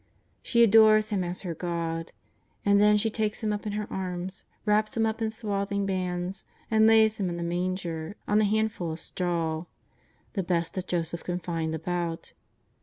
She adores Him as her God. And then she takes Him up in her arms, wraps Him up in swathing bands, and lays Him in the manger on a handful of straw, the best that Joseph can find about.